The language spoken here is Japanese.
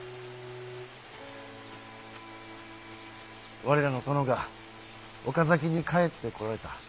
我らの殿が岡崎に帰ってこられた。